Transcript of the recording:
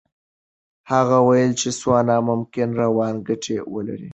هغه ویلي چې سونا ممکن رواني ګټې ولري.